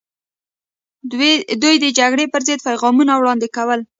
دوی د جګړې پر ضد پیغامونه وړاندې کول.